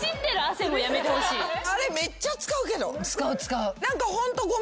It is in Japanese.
あれめっちゃ使うけど。